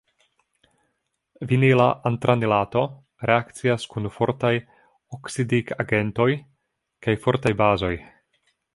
Vinila antranilato reakcias kun fortaj oksidigagentoj kaj fortaj bazoj.